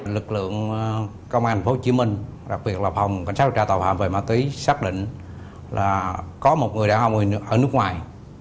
lực lượng công an tp hcm đặc biệt là phòng cảnh sát điều tra tàu hạm về ma túy xác định là có một người đàn ông ở nước ngoài